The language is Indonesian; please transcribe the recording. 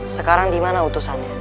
sekarang di mana utusannya